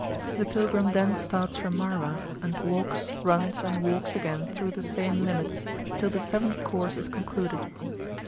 The pilgrim then starts from Marwah, and walks, runs, and walks again through the same limits, till the seventh course is concluded.